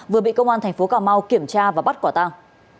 vừa bị công an tp hcm kiểm tra và bắt quả tăng